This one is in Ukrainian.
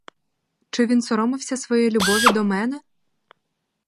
Чи він соромився своєї любові до мене?